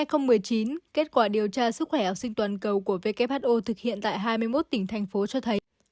năm hai nghìn một mươi chín kết quả điều tra sức khỏe học sinh toàn cầu của who thực hiện tại hai mươi một tỉnh thành phố cho thấy